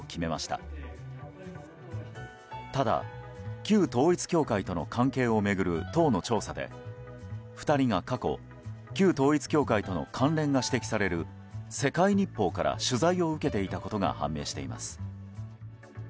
ただ、旧統一教会との関係を巡る党の調査で２人が過去旧統一教会との関連が指摘される世界日報から取材を受けていたことが判明しています。